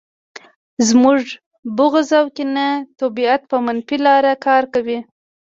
زموږ بغض او کینه طبیعت په منفي لاره کاروي